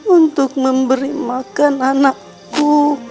untuk memberi makan anakku